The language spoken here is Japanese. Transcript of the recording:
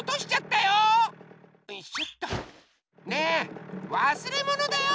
ねえわすれものだよ！